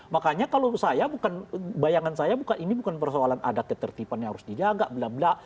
makanya kalau saya bukan bayangan saya ini bukan persoalan ada ketertiban yang harus dijaga bla bla